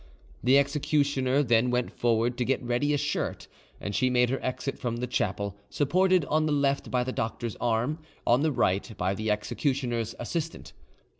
The executioner then went forward to get ready a shirt, and she made her exit from the chapel, supported on the left by the doctor's arm, on the right by the executioner's assistant.